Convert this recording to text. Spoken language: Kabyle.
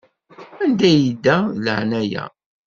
Anda yedda, d laɛnaya.